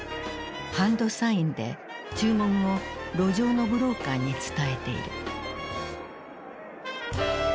ハンドサインで注文を路上のブローカーに伝えている。